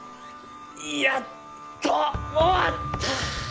やっと終わった。